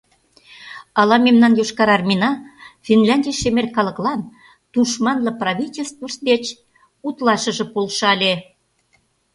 Ала мемнан Йошкар Армийна Финляндий шемер калыклан тушманле правительствышт деч утлашыже полша ыле.